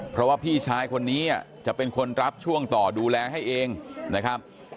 เพราะว่าพี่ชายคนนี้จะเป็นคนรับช่วงต่อดูแลให้เองนะครับ